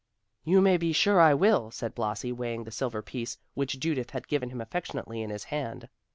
"You may be sure I will," said Blasi, weighing the silver piece which Judith had given him affectionately in his hand.